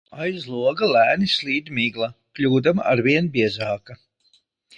Aiz loga lēni slīd migla, kļūdama aizvien biezāka.